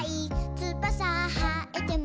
「つばさはえても」